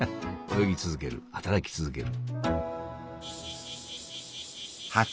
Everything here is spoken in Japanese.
泳ぎ続ける働き続ける。